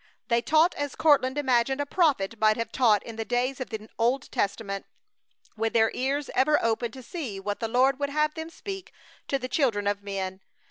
They taught as Courtland imagined a prophet might have taught in the days of the Old Testament, with their ears ever open to see what the Lord would have them speak to the children of men.